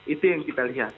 itu yang kita lihat